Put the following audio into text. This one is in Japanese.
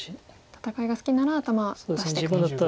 戦いが好きなら頭出していくと。